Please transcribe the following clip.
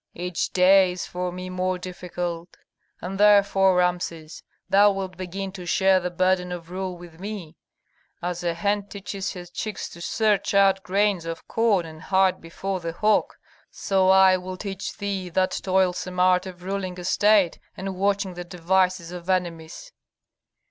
Each day is for me more difficult, and therefore, Rameses, thou wilt begin to share the burden of rule with me. As a hen teaches her chicks to search out grains of corn and hide before the hawk, so I will teach thee that toilsome art of ruling a state and watching the devices of enemies.